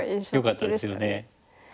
よかったですよね。